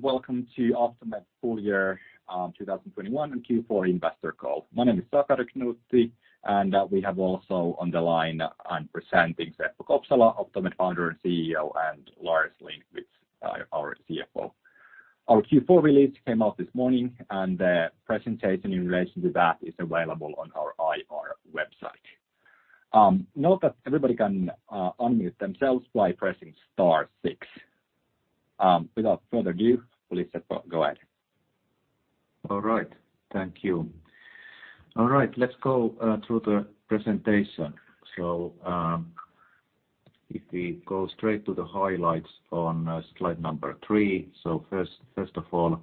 Welcome to Optomed's full year 2021 and Q4 investor call. My name is Sakari Knuutti, and we have also on the line and presenting Seppo Kopsala, Optomed Founder and CEO, and Lars Lindqvist, our CFO. Our Q4 release came out this morning, and the presentation in relation to that is available on our IR website. Note that everybody can unmute themselves by pressing star six. Without further ado, please, Seppo, go ahead. All right. Thank you. All right, let's go through the presentation. If we go straight to the highlights on slide number three. First of all,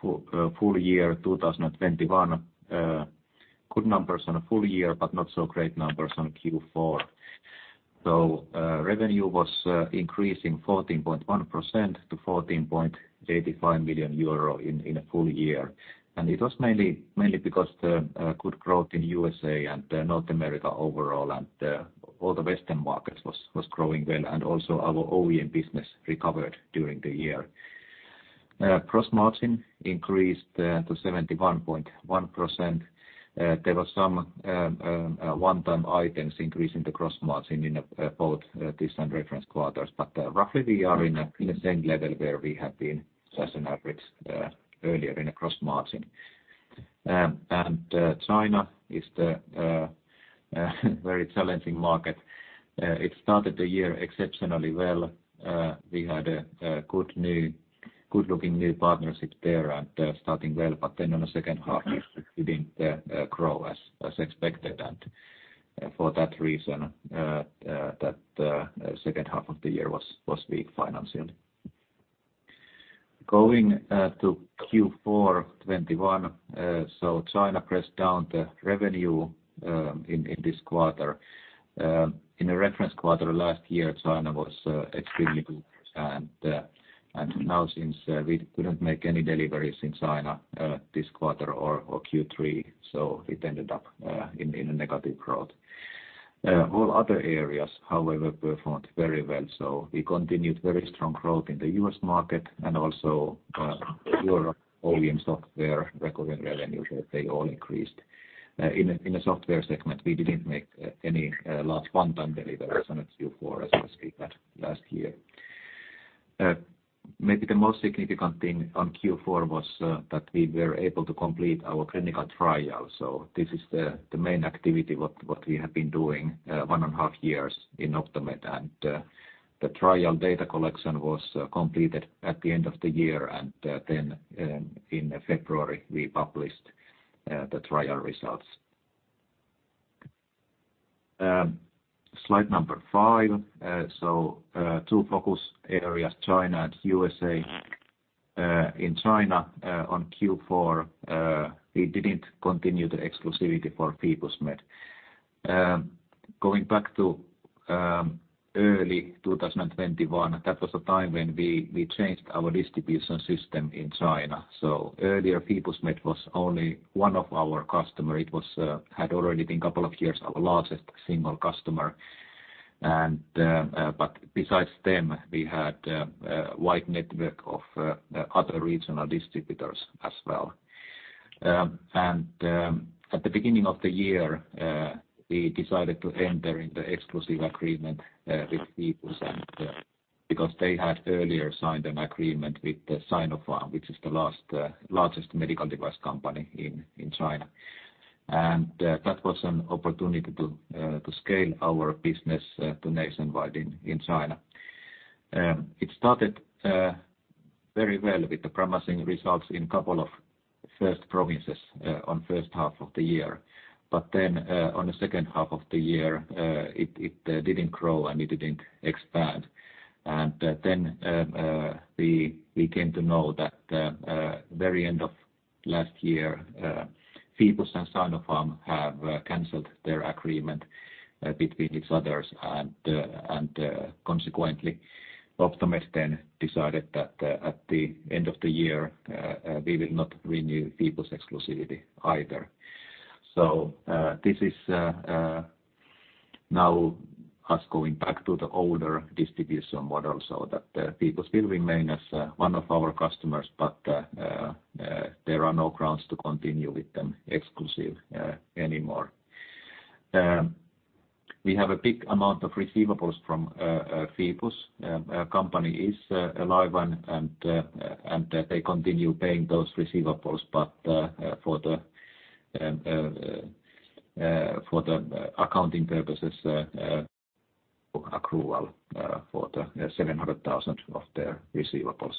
for full year 2021, good numbers on a full year, but not so great numbers on Q4. Revenue was increasing 14.1% to 14.85 million euro in a full year. It was mainly because the good growth in USA and North America overall and all the Western markets was growing well, and also our OEM business recovered during the year. Gross margin increased to 71.1%. There was some one-time items increasing the gross margin in both this and reference quarters. Roughly we are in the same level where we have been as an average earlier in the gross margin. China is the very challenging market. It started the year exceptionally well. We had a good-looking new partnership there and starting well, but then on the second half it didn't grow as expected. For that reason, that second half of the year was weak financially. Going to Q4 2021, so China pressed down the revenue in this quarter. In the reference quarter last year, China was extremely good. And now since we couldn't make any deliveries in China this quarter or Q3, so it ended up in a negative growth. All other areas, however, performed very well. We continued very strong growth in the U.S. market and also Europe, OEM, software, recurring revenue. They all increased. In the software segment, we didn't make any large one-time deliveries in Q4 as we did last year. Maybe the most significant thing in Q4 was that we were able to complete our clinical trial. This is the main activity that we have been doing 1.5 years in Optomed. The trial data collection was completed at the end of the year. In February, we published the trial results. Slide number five. Two focus areas, China and U.S. In China, in Q4, we didn't continue the exclusivity for Phoebus Med. Going back to early 2021, that was the time when we changed our distribution system in China. Earlier, Phoebus Med was only one of our customer. It had already been a couple of years our largest single customer. Besides them, we had a wide network of other regional distributors as well. At the beginning of the year, we decided to enter into the exclusive agreement with Phoebus Med because they had earlier signed an agreement with Sinopharm, which is the largest medical device company in China. That was an opportunity to scale our business to nationwide in China. It started very well with the promising results in couple of first provinces in the first half of the year. On the second half of the year, it didn't grow and it didn't expand. We came to know that very end of last year, Phoebus and Sinopharm have canceled their agreement between each other. Consequently, Optomed then decided that at the end of the year we will not renew Phoebus exclusivity either. This is now us going back to the older distribution model so that Phoebus still remain as one of our customers, but there are no grounds to continue with them exclusively anymore. We have a big amount of receivables from Phoebus. Company is alive and they continue paying those receivables, but for the accounting purposes, accrual for the 700,000 of their receivables.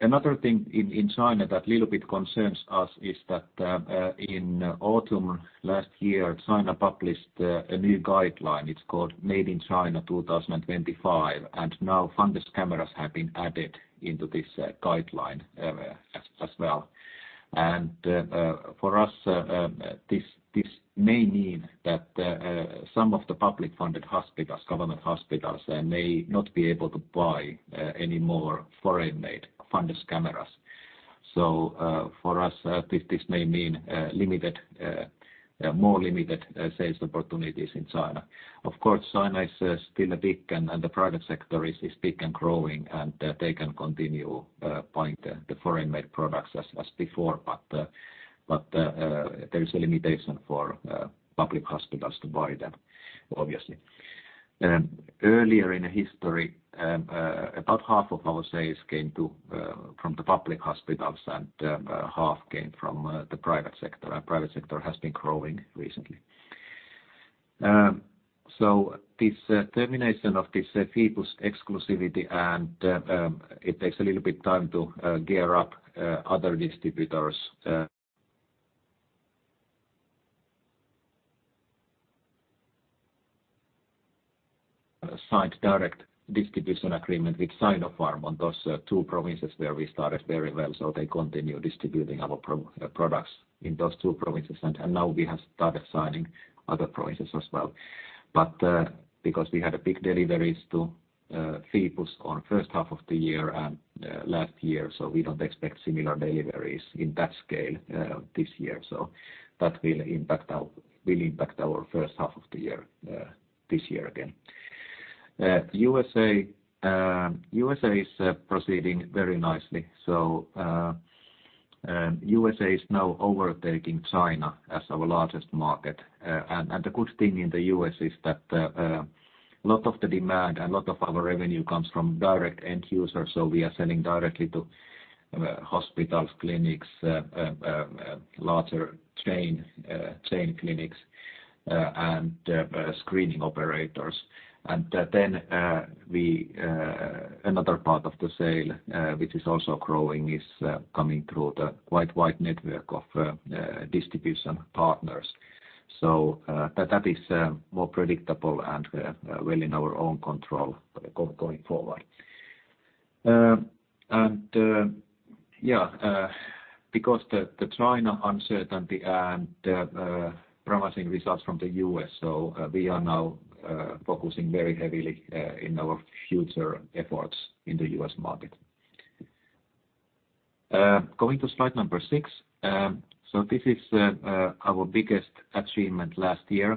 Another thing in China that little bit concerns us is that in autumn last year, China published a new guideline. It's called Made in China 2025. Now fundus cameras have been added into this guideline as well. For us, this may mean that some of the public funded hospitals, government hospitals, they may not be able to buy any more foreign-made fundus cameras. For us, this may mean more limited sales opportunities in China. Of course, China is still big, and the private sector is big and growing, and they can continue buying the foreign-made products as before. But there is a limitation for public hospitals to buy them, obviously. Earlier in the history, about half of our sales came from the public hospitals and half came from the private sector. Private sector has been growing recently. This termination of this Phoebus exclusivity and it takes a little bit time to gear up other distributors. Signed direct distribution agreement with Sinopharm on those two provinces where we started very well. They continue distributing our products in those two provinces. Now we have started signing other provinces as well. Because we had big deliveries to Phoebus in the first half of the year and last year, we don't expect similar deliveries in that scale this year. That will impact our first half of the year this year again. U.S. is proceeding very nicely. U.S. is now overtaking China as our largest market. And the good thing in the U.S. is that a lot of the demand and a lot of our revenue comes from direct end users. We are selling directly to hospitals, clinics, larger chain clinics, and screening operators. And then another part of the sale, which is also growing, is coming through the quite wide network of distribution partners. That is more predictable and well in our own control going forward. Because the China uncertainty and promising results from the U.S., we are now focusing very heavily in our future efforts in the U.S. market. Going to slide number six. This is our biggest achievement last year.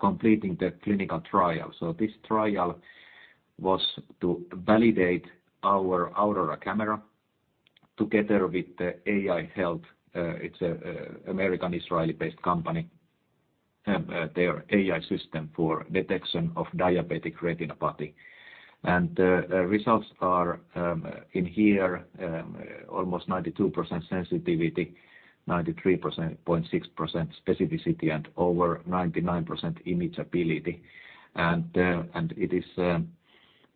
Completing the clinical trial. This trial was to validate our Aurora camera together with AEYE Health. It is an American-Israeli-based company that have their AI system for detection of diabetic retinopathy. The results are in here, almost 92% sensitivity, 93.6% specificity, and over 99% imageability. It is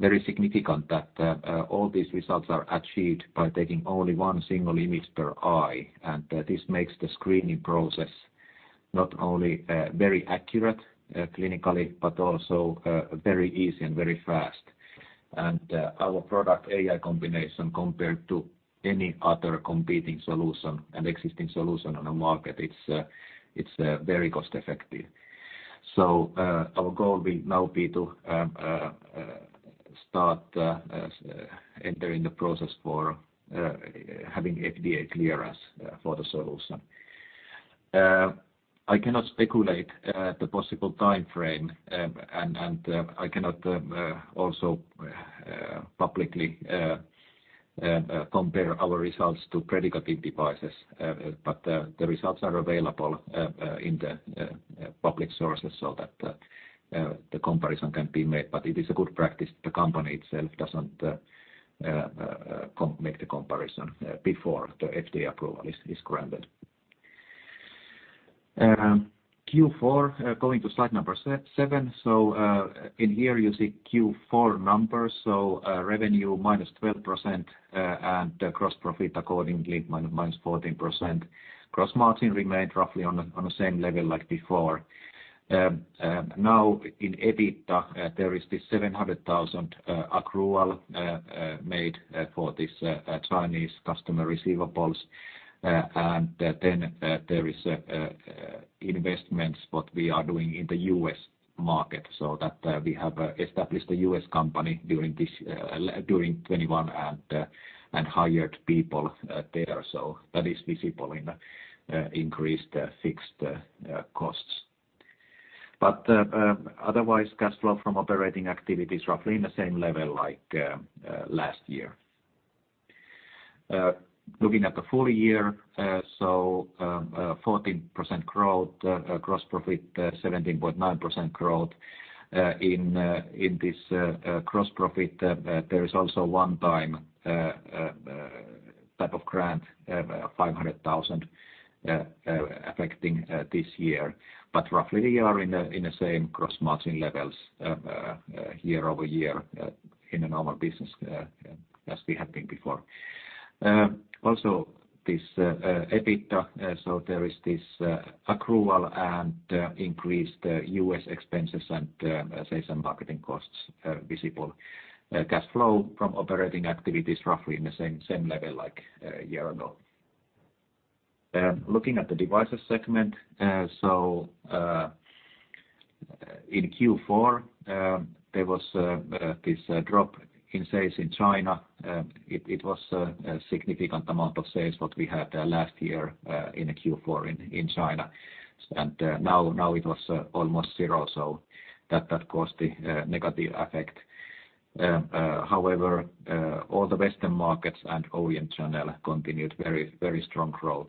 very significant that all these results are achieved by taking only one single image per eye. This makes the screening process not only very accurate clinically, but also very easy and very fast. Our product AEYE combination compared to any other competing solution and existing solution on the market, it's very cost effective. Our goal will now be to start entering the process for having FDA clearance for the solution. I cannot speculate the possible time frame, and I cannot also publicly compare our results to predicate devices, but the results are available in the public sources so that the comparison can be made. It is a good practice the company itself doesn't make the comparison before the FDA approval is granted. Q4, going to slide number seven. In here you see Q4 numbers. Revenue minus 12%, and gross profit accordingly minus 14%. Gross margin remained roughly on the same level like before. Now in EBITDA, there is this 700,000 accrual made for this Chinese customer receivables. And then there is investments what we are doing in the U.S. market, so that we have established a U.S. company during 2021 and hired people there. That is visible in increased fixed costs. But otherwise, cash flow from operating activities roughly in the same level like last year. Looking at the full year, 14% growth, gross profit 17.9% growth. In this gross profit, there is also one-time type of grant, 500,000 affecting this year. Roughly, we are in the same gross margin levels year over year in a normal business as we have been before. Also this EBITDA, so there is this accrual and increased U.S. expenses and sales and marketing costs visible. Cash flow from operating activities roughly in the same level like a year ago. Looking at the devices segment. In Q4, there was this drop in sales in China. It was a significant amount of sales what we had last year in the Q4 in China. Now it was almost zero, so that caused the negative effect. However, all the Western markets and OEM channel continued very strong growth.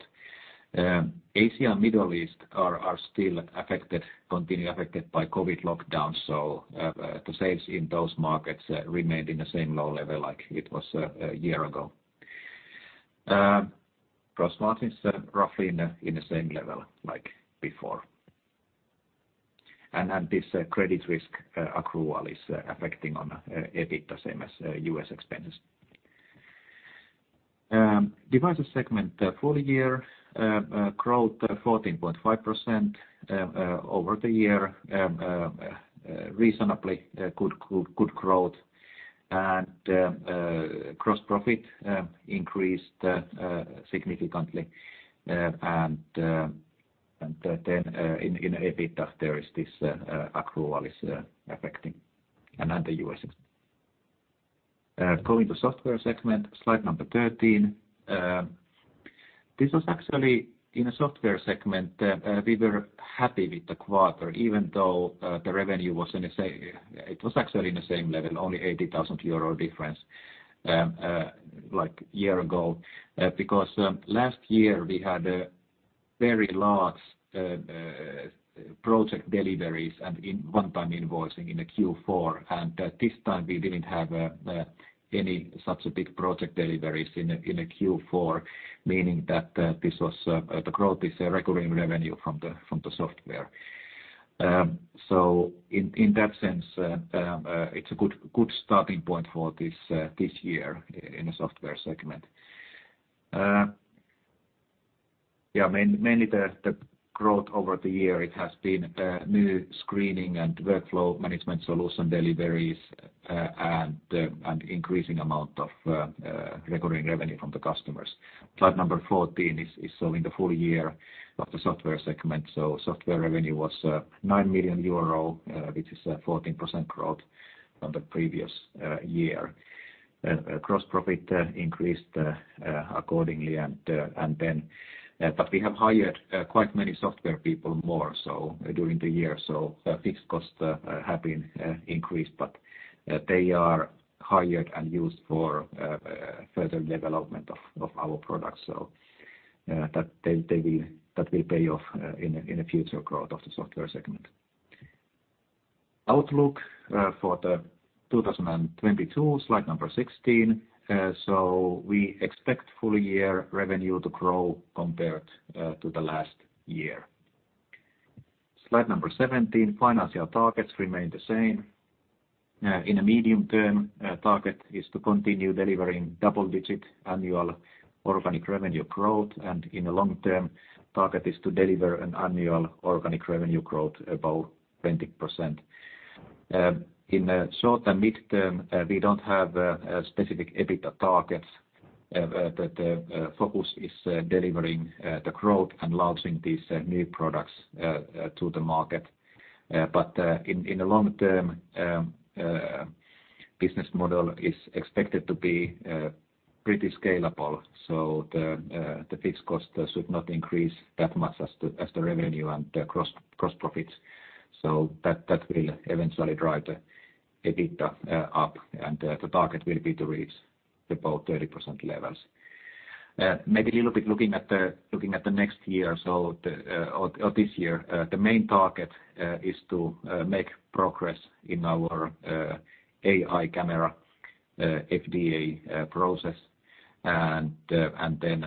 Asia and Middle East are still affected, continue affected by COVID lockdowns, so the sales in those markets remained in the same low level like it was a year ago. Gross margins roughly in the same level like before. This credit risk accrual is affecting on EBITDA, same as U.S. expenses. Devices segment full-year growth 14.5% year-over-year. Reasonably good growth. Gross profit increased significantly. In EBITDA, there is this accrual affecting another U.S. ex- going to Software segment, slide 13. This was actually in a Software segment, we were happy with the quarter even though the revenue was in the same... It was actually in the same level, only 80,000 euro difference like a year ago. Because last year we had a very large project deliveries and one-time invoicing in the Q4. This time we didn't have any such a big project deliveries in the Q4, meaning that this was the growth in recurring revenue from the software. In that sense, it's a good starting point for this year in the software segment. Yeah, mainly the growth over the year it has been new screening and workflow management solution deliveries and increasing amount of recurring revenue from the customers. Slide number 14 is showing the full year of the software segment. Software revenue was 9 million euro, which is a 14% growth from the previous year. Gross profit increased accordingly, but we have hired quite many software people more so during the year. Fixed costs have been increased, but they are hired and used for further development of our products. That will pay off in the future growth of the software segment. Outlook for 2022, slide number 16. We expect full-year revenue to grow compared to the last year. Slide number 17, financial targets remain the same. In a medium term, target is to continue delivering double-digit annual organic revenue growth, and in a long term, target is to deliver an annual organic revenue growth above 20%. In the short and mid term, we don't have specific EBITDA targets, but focus is delivering the growth and launching these new products to the market. In the long term, business model is expected to be pretty scalable, so the fixed costs should not increase that much as the revenue and the gross profits. That will eventually drive the EBITDA up, and the target will be to reach above 30% levels. Maybe a little bit looking at the next year or this year, the main target is to make progress in our AEYE camera FDA process, and then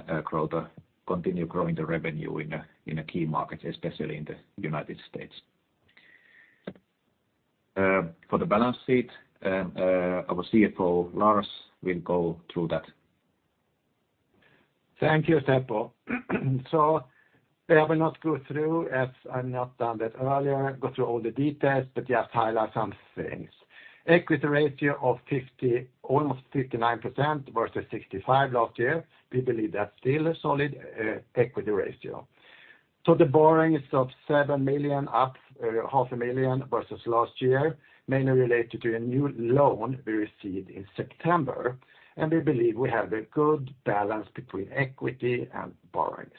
continue growing the revenue in a key market, especially in the United States. For the balance sheet, our CFO, Lars, will go through that. Thank you, Seppo. I will not go through as I've not done that earlier, go through all the details, but just highlight some things. Equity ratio of almost 59% versus 65% last year. We believe that's still a solid equity ratio. The borrowings of 7 million up half a million versus last year, mainly related to a new loan we received in September. We believe we have a good balance between equity and borrowings.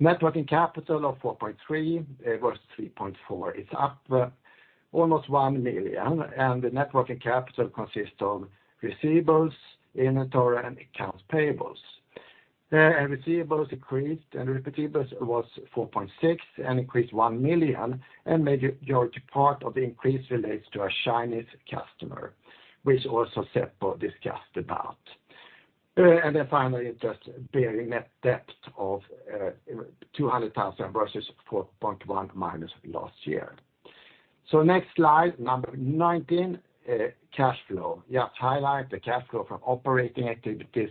Net working capital of 4.3 million versus 3.4 million is up almost 1 million, and the net working capital consists of receivables, inventory, and accounts payables. Receivables increased, and receivables was 4.6 million and increased 1 million, and majority part of the increase relates to a Chinese customer, which also Seppo discussed about. Finally, just bearing net debt of 0.2 million versus -4.1 million last year. Next slide, number 19, cash flow. Just highlight the cash flow from operating activities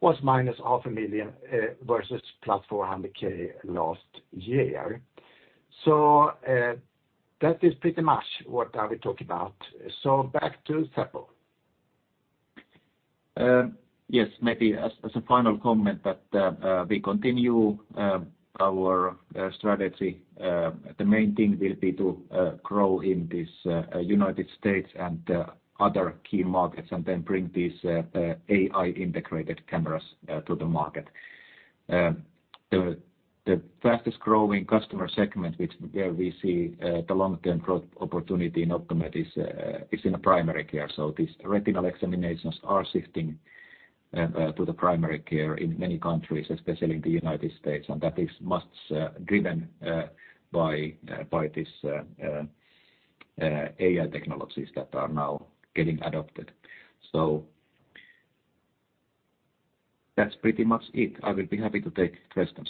was minus EUR half a million versus plus 400,000 last year. That is pretty much what I will talk about. Back to Seppo. Yes, maybe as a final comment that we continue our strategy. The main thing will be to grow in the United States and other key markets, and then bring these AI -integrated cameras to the market. The fastest-growing customer segment where we see the long-term growth opportunity in Optomed is in primary care. These retinal examinations are shifting to primary care in many countries, especially in the United States, and that is much driven by this AI technologies that are now getting adopted. That's pretty much it. I will be happy to take questions.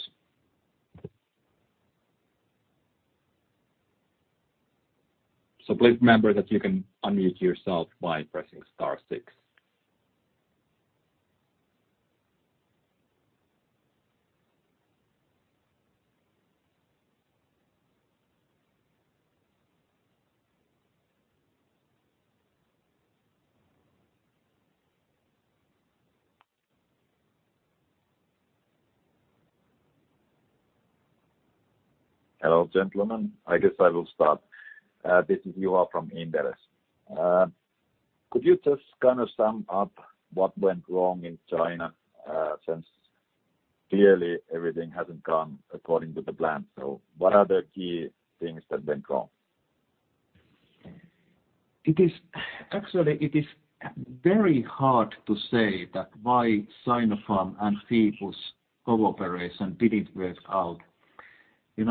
Hello, gentlemen. I guess I will start. This is Juha from Inderes. Could you just kind of sum up what went wrong in China, since clearly everything hasn't gone according to the plan? What are the key things that went wrong? Actually, it is very hard to say why the Sinopharm and Phoebus cooperation didn't work out. You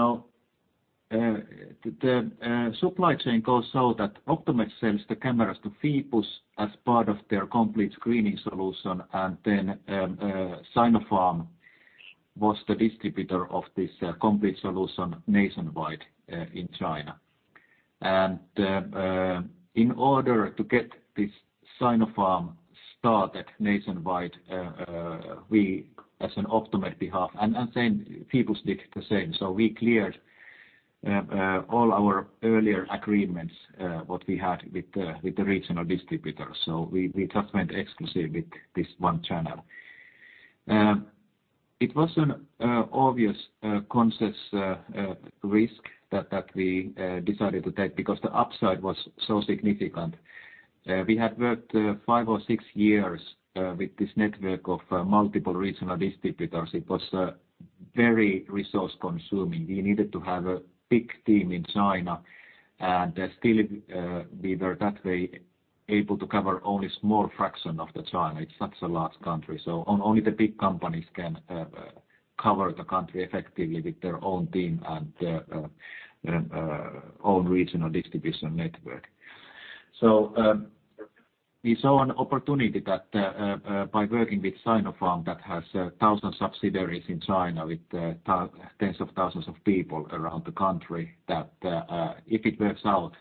know, the supply chain goes so that Optomed sends the cameras to Phoebus as part of their complete screening solution, and then Sinopharm was the distributor of this complete solution nationwide in China. In order to get this Sinopharm started nationwide, we, on Optomed's behalf, and the same, Phoebus did the same. We cleared all our earlier agreements what we had with the regional distributors. We just went exclusive with this one channel. It was an obvious conscious risk that we decided to take because the upside was so significant. We had worked five or six years with this network of multiple regional distributors. It was very resource-consuming. We needed to have a big team in China, and still we were that way able to cover only small fraction of China. It's such a large country. Only the big companies can cover the country effectively with their own team and own regional distribution network. We saw an opportunity that by working with Sinopharm that has 1,000 subsidiaries in China with tens of thousands of people around the country that if it works out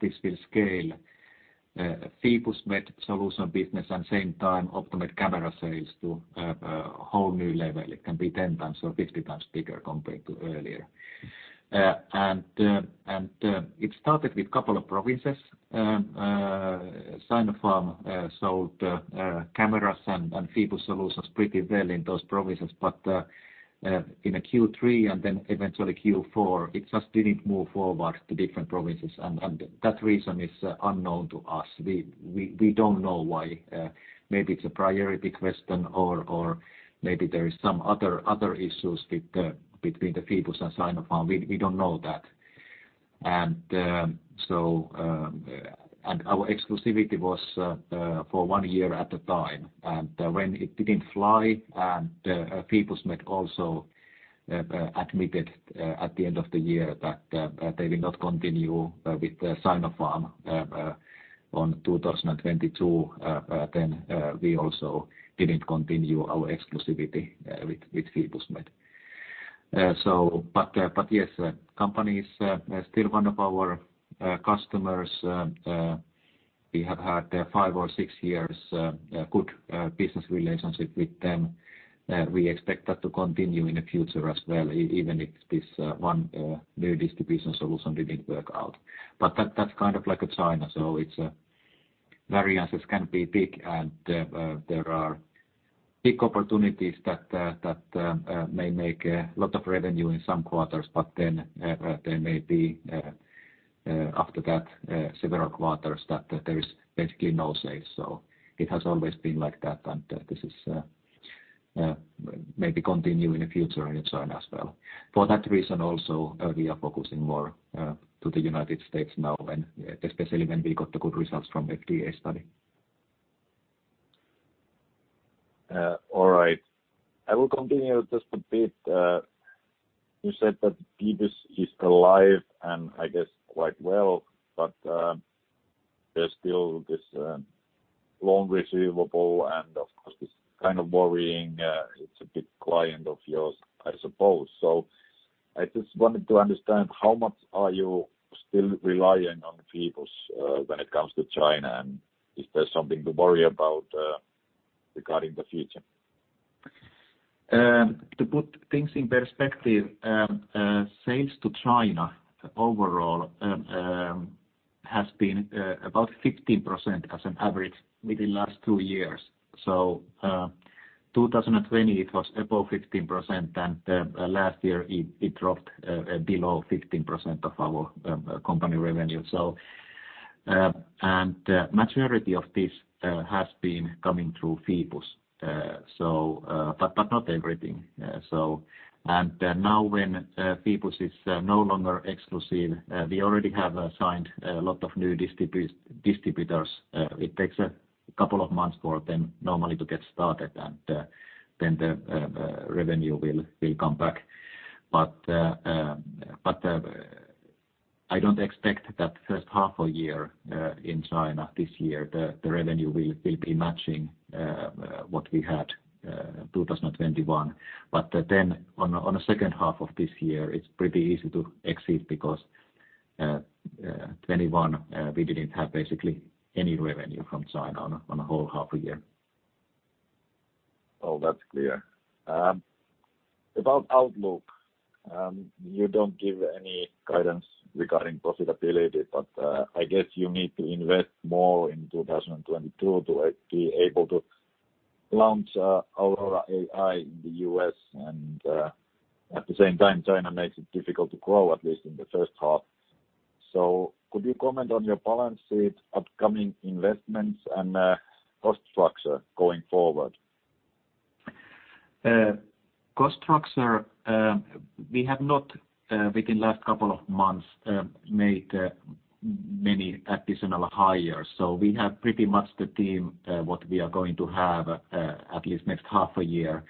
this will scale Phoebus Med solution business and same time Optomed camera sales to whole new level. It can be 10 times or 50 times bigger compared to earlier. It started with couple of provinces. Sinopharm sold cameras and Phoebus solutions pretty well in those provinces, but in Q3 and then eventually Q4, it just didn't move forward to different provinces. That reason is unknown to us. We don't know why. Maybe it's a priority question or maybe there is some other issues between the Phoebus and Sinopharm. We don't know that. Our exclusivity was for one year at the time. When it didn't fly and Phoebus Med also admitted at the end of the year that they will not continue with the Sinopharm on 2022, then we also didn't continue our exclusivity with Phoebus Med. But yes, company is still one of our customers. We have had five or six years good business relationship with them. We expect that to continue in the future as well, even if this one new distribution solution didn't work out. But that's kind of like a China. It's variances can be big, and there are big opportunities that may make lot of revenue in some quarters, but then there may be after that several quarters that there is basically no sales. It has always been like that, and this is maybe continue in the future in China as well. For that reason also, we are focusing more to the United States now, and especially when we got the good results from FDA study. All right. I will continue just a bit. You said that Phoebus is still alive, and I guess quite well, but there's still this loan receivable, and of course, it's kind of worrying, it's a big client of yours, I suppose. I just wanted to understand how much are you still relying on Phoebus, when it comes to China, and is there something to worry about, regarding the future? To put things in perspective, sales to China overall has been about 15% as an average within last two years. 2020 it was above 15%, and last year it dropped below 15% of our company revenue. Majority of this has been coming through Phoebus, but not everything. Now when Phoebus is no longer exclusive, we already have assigned a lot of new distributors. It takes a couple of months for them normally to get started and then the revenue will come back. I don't expect that in the first half of the year in China this year the revenue will be matching what we had in 2021. In the second half of this year it's pretty easy to exceed because in 2021 we didn't have basically any revenue from China in the whole second half of the year. Oh, that's clear. About outlook, you don't give any guidance regarding profitability, but I guess you need to invest more in 2022 to be able to launch Aurora AEYE in the U.S. At the same time, China makes it difficult to grow, at least in the first half. Could you comment on your balance sheet, upcoming investments and cost structure going forward? Cost structure, we have not within last couple of months made many additional hires. We have pretty much the team what we are going to have at least next half a year.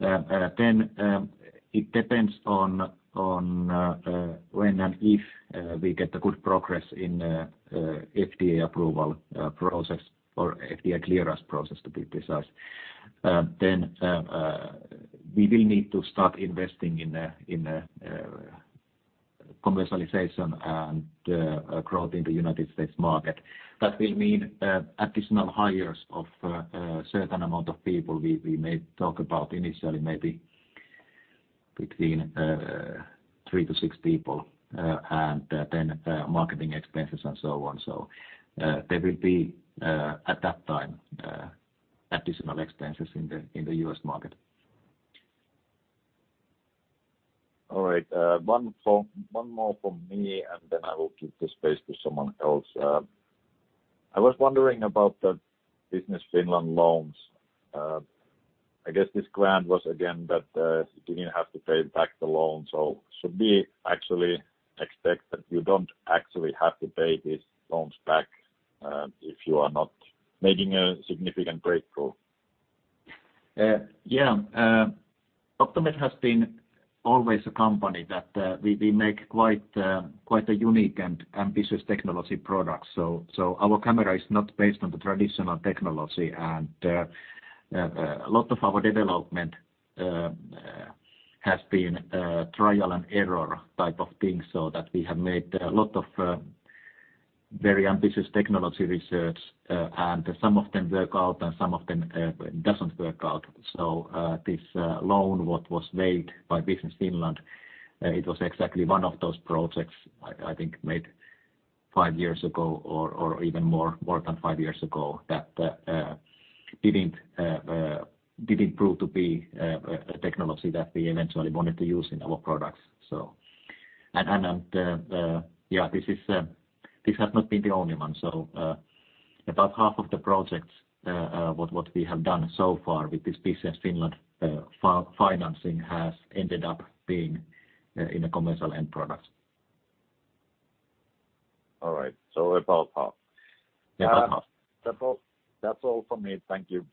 It depends on when and if we get good progress in FDA approval process or FDA clearance process, to be precise. We will need to start investing in commercialization and growth in the United States market. That will mean additional hires of a certain amount of people we may talk about initially, maybe between three to six people, and then marketing expenses and so on. There will be at that time additional expenses in the U.S. market. All right. One more from me, and then I will give the space to someone else. I was wondering about the Business Finland loans. I guess this grant was again that you didn't have to pay back the loan. Should we actually expect that you don't actually have to pay these loans back, if you are not making a significant breakthrough? Optomed has been always a company that, we make quite a unique and ambitious technology product. Our camera is not based on the traditional technology. A lot of our development has been trial and error type of thing, so that we have made a lot of very ambitious technology research, and some of them work out and some of them doesn't work out. This loan, what was made by Business Finland, it was exactly one of those projects, I think made five years ago or even more, more than five years ago, that didn't prove to be a technology that we eventually wanted to use in our products. This has not been the only one. About half of the projects what we have done so far with this Business Finland financing has ended up being in a commercial end product. All right. About half. Yeah, about half. That's all from me. Thank you.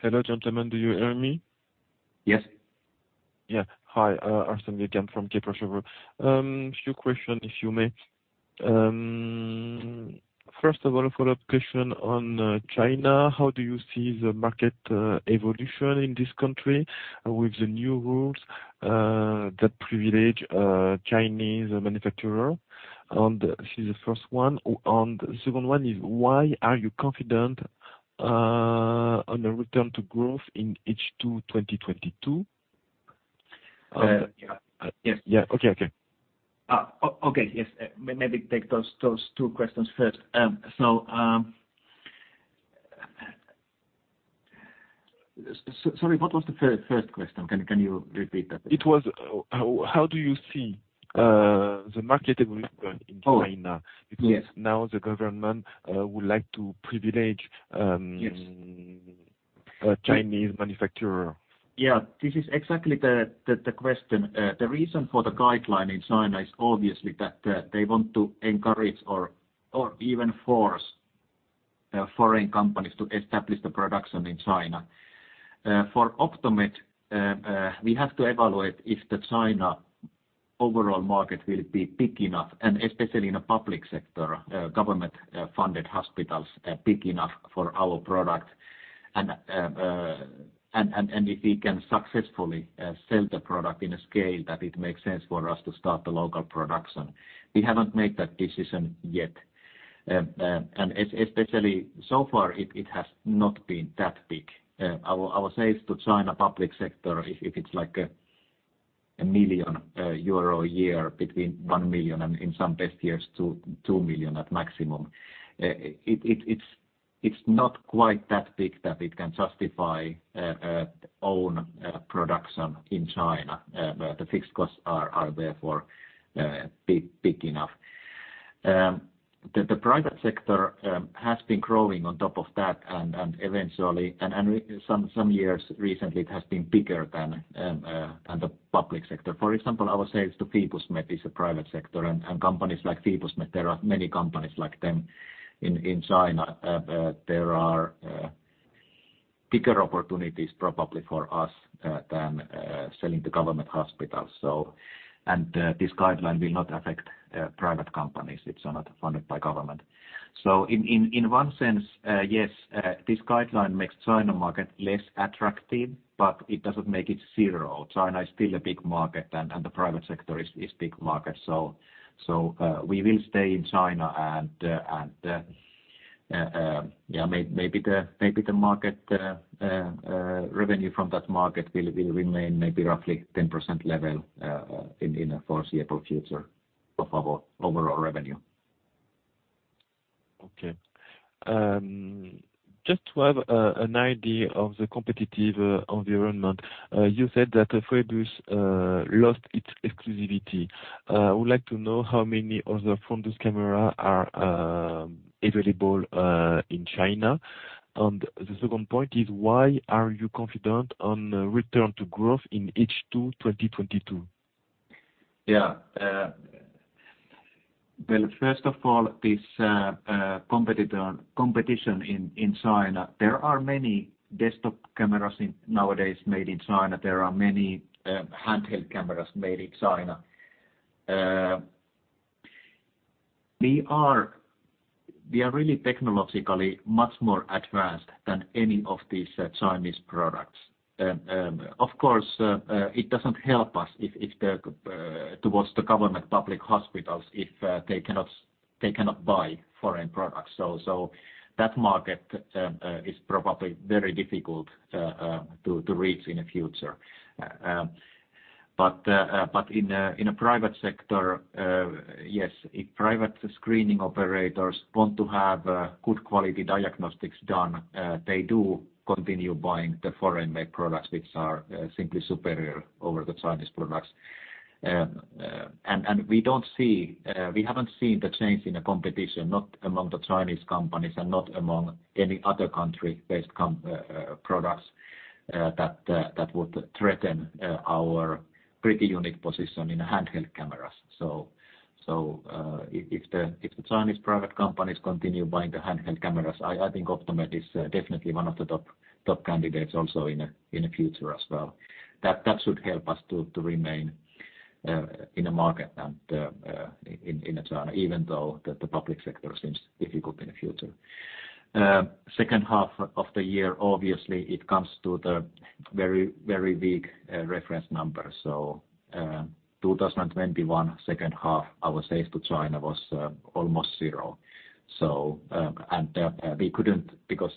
Hello, gentlemen. Do you hear me? Yes. Hi, Arsène Guekam from Kepler Cheuvreux. A few questions, if I may. First of all, a follow-up question on China. How do you see the market evolution in this country with the new rules that privileges Chinese manufacturers? This is the first one. Second one is why are you confident on the return to growth in H2 2022? Yes. Yeah. Okay. Okay. Yes. Maybe take those two questions first. Sorry, what was the first question? Can you repeat that? How do you see the market evolution in China? Oh, yes. Because now the government would like to privilege. Yes. Chinese manufacturer. Yeah. This is exactly the question. The reason for the guideline in China is obviously that they want to encourage or even force foreign companies to establish the production in China. For Optomed, we have to evaluate if the China overall market will be big enough, and especially in a public sector, government-funded hospitals are big enough for our product, and if we can successfully sell the product in a scale that it makes sense for us to start the local production. We haven't made that decision yet. Especially so far, it has not been that big. Our sales to China public sector, if it's like 1 million euro a year between 1 million and in some best years 2 million at maximum. It's not quite that big that it can justify own production in China. But the fixed costs are therefore big enough. The private sector has been growing on top of that and eventually some years recently it has been bigger than the public sector. For example, our sales to Phoebus Med is a private sector. Companies like Phoebus Med, there are many companies like them in China. There are bigger opportunities probably for us than selling to government hospitals. This guideline will not affect private companies if they're not funded by government. In one sense, yes, this guideline makes China market less attractive, but it doesn't make it zero. China is still a big market, and the private sector is big market. We will stay in China and maybe the market revenue from that market will remain maybe roughly 10% level in the foreseeable future of our overall revenue. Okay. Just to have an idea of the competitive environment. You said that the Phoebus lost its exclusivity. I would like to know how many other Phoebus camera are available in China. The second point is, why are you confident on return to growth in H2 2022? Yeah. Well, first of all, this competition in China. There are many desktop cameras nowadays made in China. There are many handheld cameras made in China. We are really technologically much more advanced than any of these Chinese products. Of course, it doesn't help us if the government public hospitals cannot buy foreign products. That market is probably very difficult to reach in the future. In the private sector, yes, if private screening operators want to have good quality diagnostics done, they do continue buying the foreign-made products which are simply superior over the Chinese products. We haven't seen the change in the competition, not among the Chinese companies and not among any other country-based products that would threaten our pretty unique position in handheld cameras. If the Chinese private companies continue buying the handheld cameras, I think Optomed is definitely one of the top candidates also in a future as well. That should help us to remain in the market and in China, even though the public sector seems difficult in the future. Second half of the year, obviously, it comes to the very big reference number. 2021 second half, our sales to China was almost zero. We couldn't because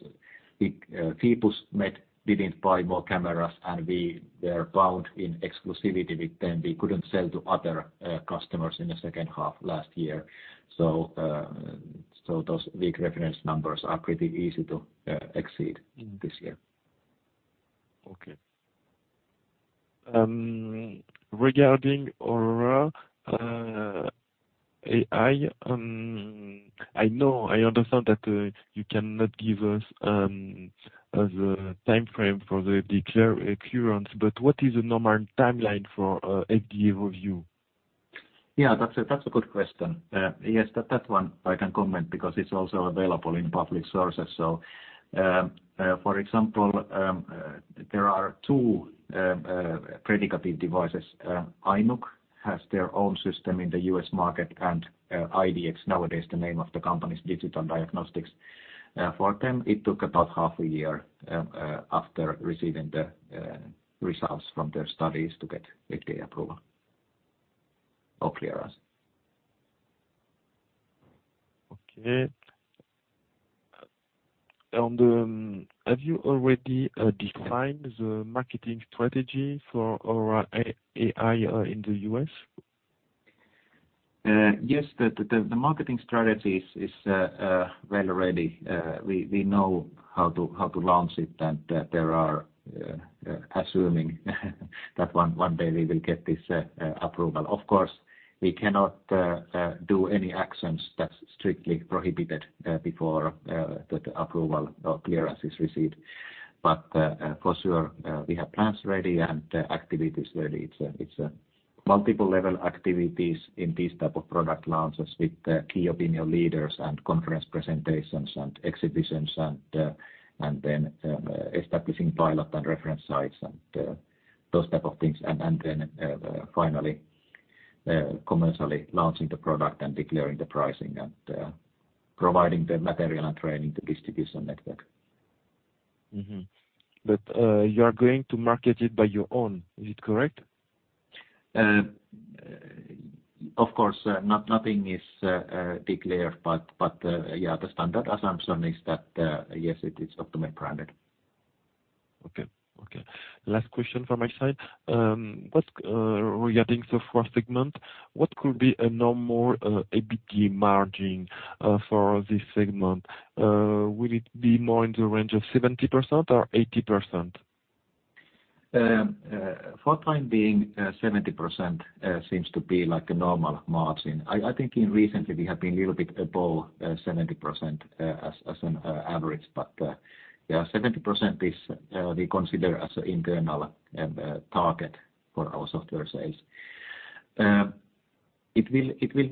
big Phoebus Med didn't buy more cameras, and they're bound in exclusivity with them. We couldn't sell to other customers in the second half last year. Those weak reference numbers are pretty easy to exceed this year. Okay. Regarding Aurora AEYE, I know I understand that you cannot give us the timeframe for the clearance, but what is the normal timeline for FDA review? Yeah, that's a good question. Yes, that one I can comment because it's also available in public sources. For example, there are two predicate devices. Eyenuk has their own system in the U.S. market, and IDx nowadays, the name of the company is Digital Diagnostics. For them, it took about half a year after receiving the results from their studies to get FDA approval or clearance. Okay. Have you already defined the marketing strategy for Aurora AEYE in the U.S.? Yes. The marketing strategy is well ready. We know how to launch it, and assuming that one day we will get this approval. Of course, we cannot do any actions. That's strictly prohibited before the approval or clearance is received. For sure, we have plans ready and activities ready. It's a multiple level activities in this type of product launches with key opinion leaders and conference presentations and exhibitions and then establishing pilot and reference sites and those type of things. Then finally commercially launching the product and declaring the pricing and providing the material and training the distribution network. Mm-hmm. You are going to market it on your own. Is it correct? Of course, nothing is declared, but yeah, the standard assumption is that yes, it is Optomed branded. Okay. Last question from my side. Regarding software segment, what could be a normal EBIT margin for this segment? Will it be more in the range of 70% or 80%? For the time being, 70% seems to be like a normal margin. I think recently, we have been little bit above 70%, as an average. 70% is we consider as internal target for our software sales. It will.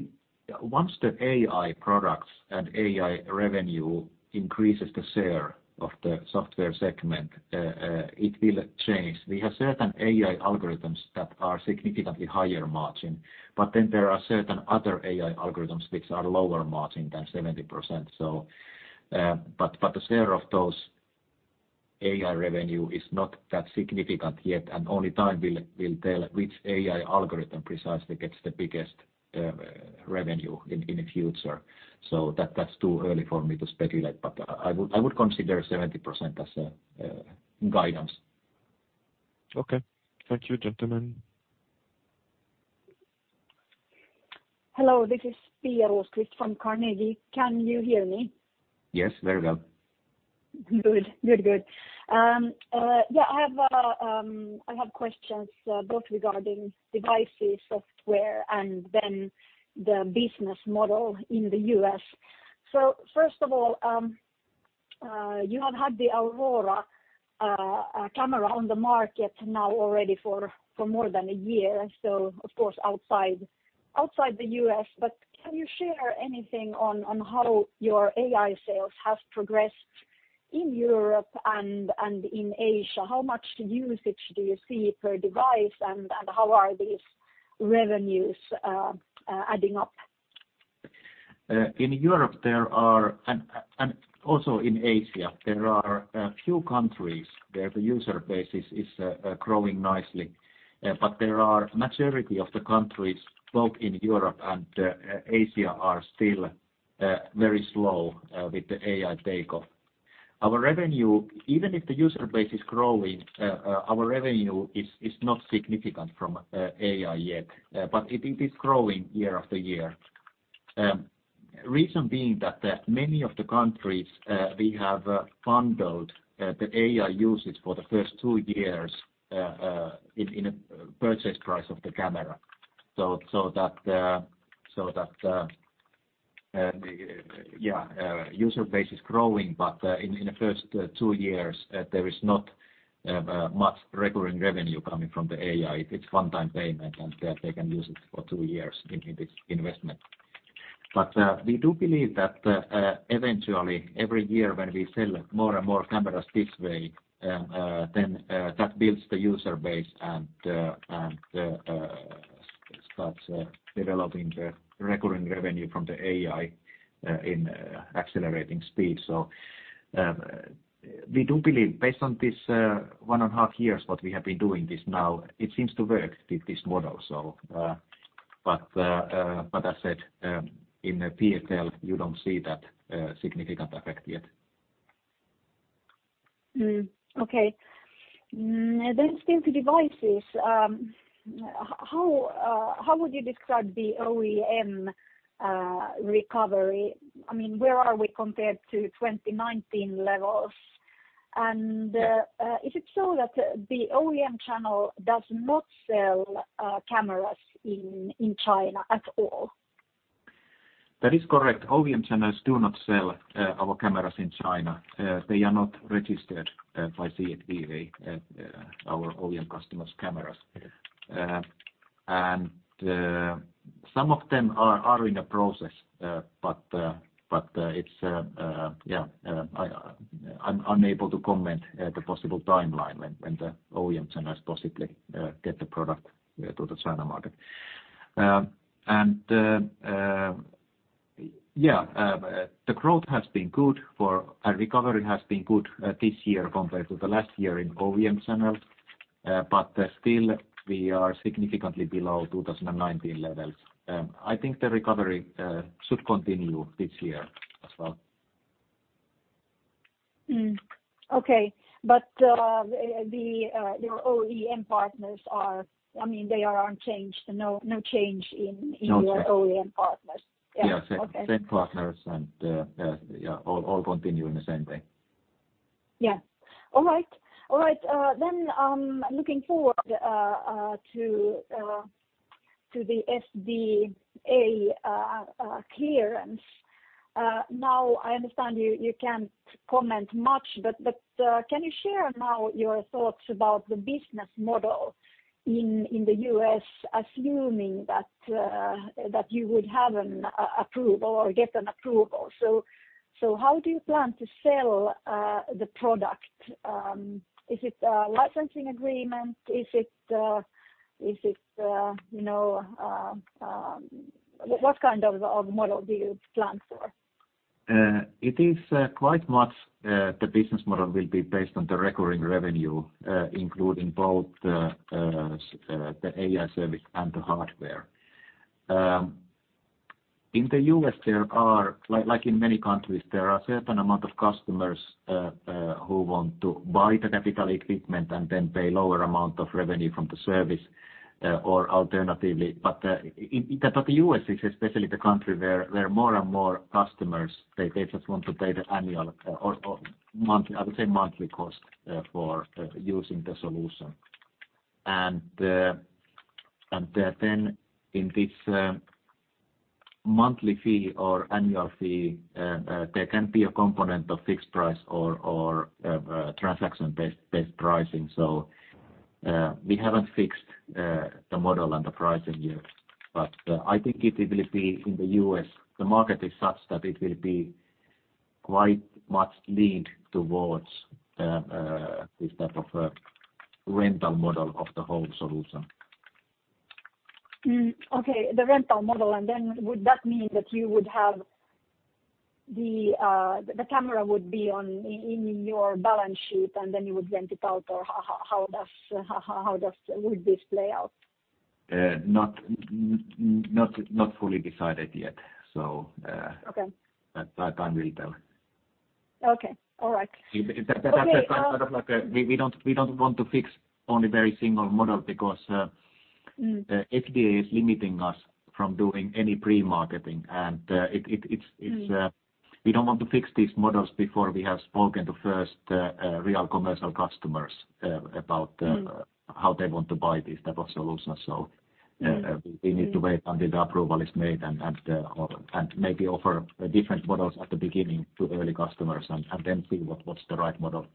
Once the AEYE products and AEYE revenue increases the share of the software segment, it will change. We have certain AEYE algorithms that are significantly higher margin, but then there are certain other AEYE algorithms which are lower margin than 70%, so. The share of those AEYE revenue is not that significant yet, and only time will tell which AEYE algorithm precisely gets the biggest revenue in the future. That's too early for me to speculate, but I would consider 70% as a guidance. Okay. Thank you, gentlemen. Hello, this is Pia Rosqvist-Heinsalmi from Carnegie. Can you hear me? Yes, very well. Good. Yeah, I have questions both regarding devices, software, and then the business model in the U.S. First of all, you have had the Aurora camera on the market now already for more than a year, so of course outside the U.S. But can you share anything on how your AEYE sales have progressed in Europe and in Asia? How much usage do you see per device and how are these revenues adding up? In Europe, there are also in Asia, there are a few countries where the user base is growing nicely. The majority of the countries, both in Europe and Asia, are still very slow with the AEYE takeoff. Our revenue, even if the user base is growing, our revenue is not significant from AEYE yet, but it is growing year after year. Reason being that many of the countries we have bundled the AEYE usage for the first two years in a purchase price of the camera so that user base is growing, but in the first two years there is not much recurring revenue coming from the AEYE. It's one-time payment, and they can use it for two years making this investment. We do believe that, eventually, every year when we sell more and more cameras this way, then, that builds the user base and starts developing the recurring revenue from the AEYE, in accelerating speed. We do believe based on this, one and a half years what we have been doing this now, it seems to work with this model. But as said, in P&L, you don't see that, significant effect yet. Still to devices, how would you describe the OEM recovery? I mean, where are we compared to 2019 levels? Is it so that the OEM channel does not sell cameras in China at all? That is correct. OEM channels do not sell our cameras in China. They are not registered by CFDA, our OEM customers' cameras. Some of them are in a process, but I'm unable to comment on the possible timeline when the OEM channels possibly get the product to the China market. The growth has been good and recovery has been good this year compared to the last year in OEM channels. But still we are significantly below 2019 levels. I think the recovery should continue this year as well. Okay. Your OEM partners are, I mean, they are unchanged. No change in- No change. In your OEM partners. Yeah. Okay. Yeah, same partners and yeah, all continue in the same way. Yeah. All right. Looking forward to the FDA clearance. Now I understand you can't comment much, but can you share now your thoughts about the business model in the U.S., assuming that you would have an approval or get an approval? How do you plan to sell the product? Is it a licensing agreement? Is it, you know, what kind of model do you plan for? It is quite much the business model will be based on the recurring revenue, including both the AEYE service and the hardware. In the U.S. there are like in many countries, there are certain amount of customers who want to buy the capital equipment and then pay lower amount of revenue from the service or alternatively. The U.S. is especially the country where more and more customers they just want to pay the annual or monthly, I would say monthly cost for using the solution. In this monthly fee or annual fee there can be a component of fixed price or transaction-based pricing. We haven't fixed the model and the pricing yet. I think it will be in the U.S., the market is such that it will be quite much led towards this type of rental model of the whole solution. Okay. The rental model. Would that mean that you would have the camera would be on in your balance sheet, and then you would rent it out? Or how does this play out? Not fully decided yet, so. Okay. Time will tell. Okay. All right. That kind of like, we don't want to fix only every single model because FDA is limiting us from doing any pre-marketing. We don't want to fix these models before we have spoken to first real commercial customers about how they want to buy this type of solution. We need to wait until the approval is made and maybe offer different models at the beginning to early customers and then see what's the right model.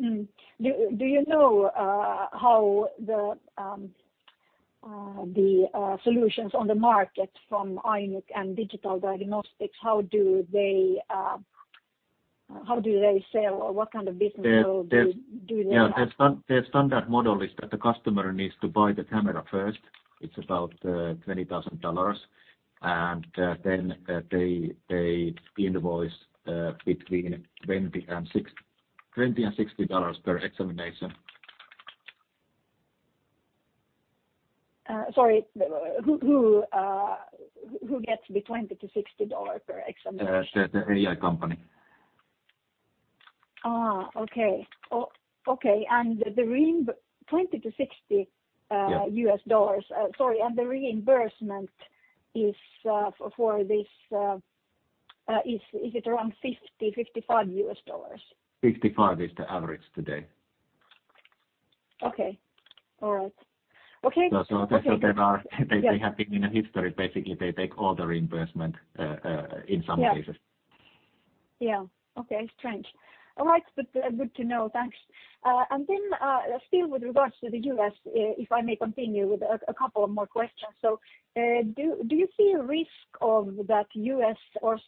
Do you know how the solutions on the market from Eyenuk and Digital Diagnostics, how do they sell, or what kind of business model do they have? Yeah. Their standard model is that the customer needs to buy the camera first. It's about $20,000. Then they invoice between $20-$60 per examination. Sorry, who gets the $20-$60 per examination? The AEYE company. Ah. Okay. Okay. And the $20-$60- Yeah. Sorry, the reimbursement is for this, is it around $50-$55? $55 is the average today. Okay. All right. Okay. They are. Okay. Yeah. They have been in history, basically. They take all the reimbursement in some cases. Yeah. Yeah. Okay. Strange. All right. Good to know. Thanks. Still with regards to the U.S., if I may continue with a couple more questions. Do you see a risk that U.S.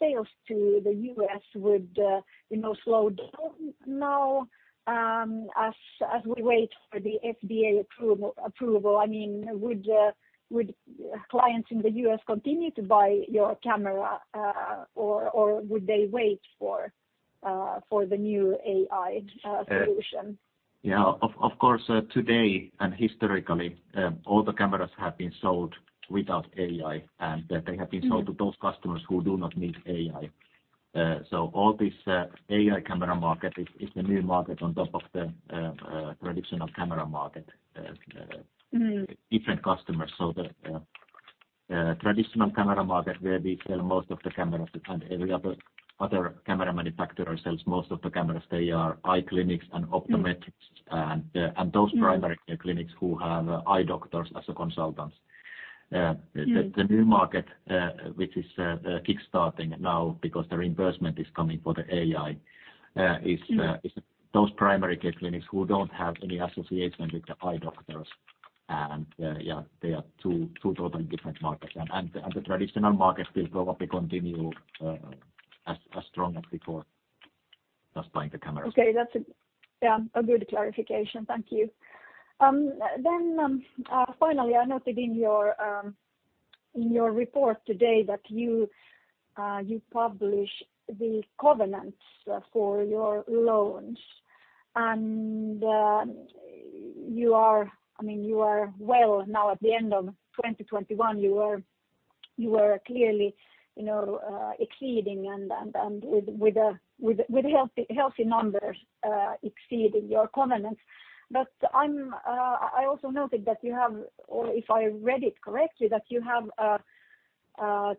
sales to the U.S. would slow down now, as we wait for the FDA approval? I mean, would clients in the U.S. continue to buy your camera, or would they wait for the new AEYE solution? Yeah. Of course, today and historically, all the cameras have been sold without AI, and they have been sold. To those customers who do not need AEYE. All this AEYE camera market is the new market on top of the traditional camera market, different customers. The traditional camera market where we sell most of the cameras and every other camera manufacturer sells most of the cameras, they are eye clinics and optometrists and those primary care clinics who have eye doctors as a consultant. The new market, which is kickstarting now because the reimbursement is coming for the AEYE, is those primary care clinics who don't have any association with the eye doctors. They are two totally different markets. The traditional market will probably continue as strong as before, just buying the cameras. Okay. That's a good clarification. Thank you. Finally, I noted in your report today that you publish the covenants for your loans. I mean, you are well now at the end of 2021, you were clearly, you know, exceeding with healthy numbers, exceeding your covenants. I also noted that you have, or if I read it correctly, that you have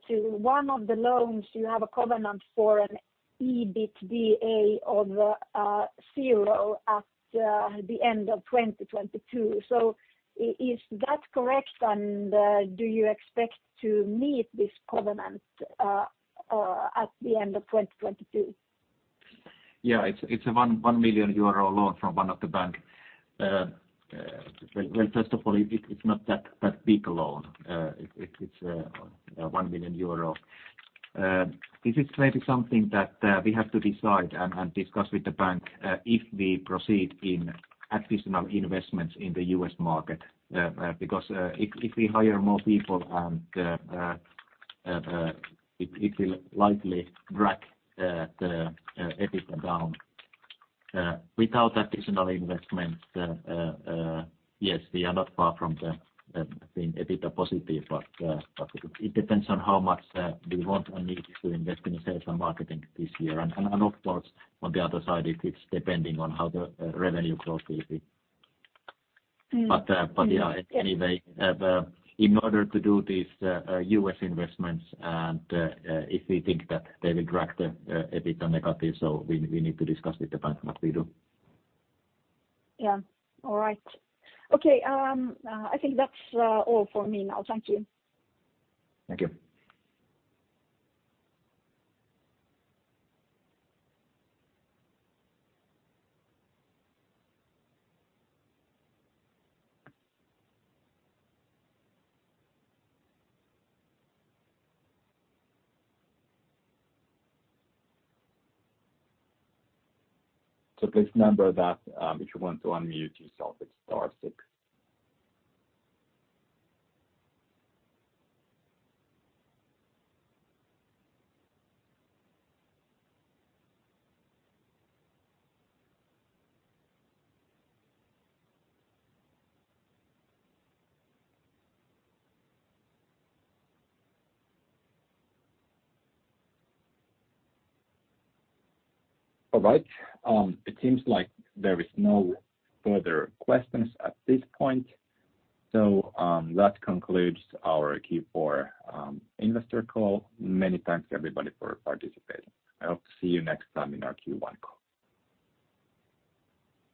to one of the loans a covenant for an EBITDA of zero at the end of 2022. Is that correct, and do you expect to meet this covenant at the end of 2022? Yeah, it's a 1 million euro loan from one of the banks. Well, first of all, it's not that big a loan. It's 1 million euro. This is maybe something that we have to decide and discuss with the bank if we proceed in additional investments in the U.S. market. Because if we hire more people it will likely drag the EBITDA down without additional investments. Yes, we are not far from being EBITDA positive. But it depends on how much we want and need to invest in sales and marketing this year. Of course, on the other side, it's depending on how the revenue growth will be. Yeah. Anyway, in order to do these U.S. investments and if we think that they will drag the EBITDA negative, so we need to discuss with the bank what we do. Yeah. All right. Okay. I think that's all for me now. Thank you. Thank you. Please remember that, if you want to unmute yourself, it's star six. All right. It seems like there is no further questions at this point. That concludes our Q4 investor call. Many thanks, everybody, for participating. I hope to see you next time in our Q1 call.